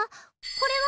これは？